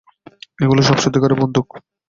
এগুলো সব সত্যিকারের বন্দুক?